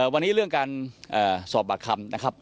วันนี้เรื่องการสอบปากคำนะครับ